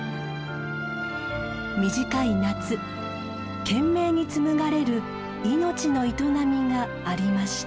短い夏懸命に紡がれる命の営みがありました。